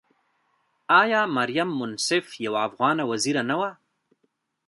آیا مریم منصف یوه افغانه وزیره نه وه؟